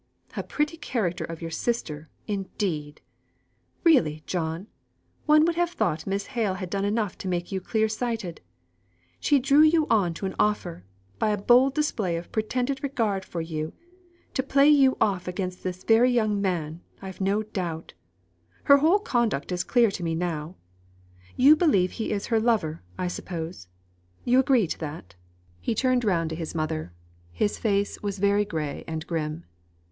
"A pretty character of your sister, indeed! Really, John, one would have thought Miss Hale had done enough to make you clear sighted. She drew you on to an offer, by a bold display of pretended regard for you, to play you off against this very young man, I've no doubt. Her whole conduct is clear to me now. You believe he is her lover, I suppose you agree to that." He turned round to his mother; his face was very gray and grim.